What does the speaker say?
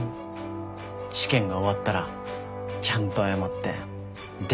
試験が終わったらちゃんと謝ってデートに誘う。